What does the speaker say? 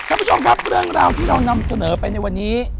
คุณผู้ชมครับเรื่องราวที่เรานำเสนอไปในวันนี้